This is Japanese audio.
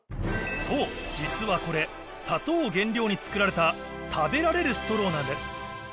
そう実はこれ砂糖を原料に作られた食べられるストローなんです